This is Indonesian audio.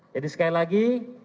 jadi sekali lagi